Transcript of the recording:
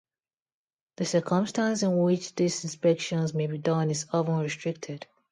The circumstance in which these inspections may be done is often restricted.